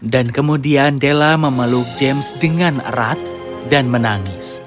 dan kemudian della memeluk james dengan erat dan menangis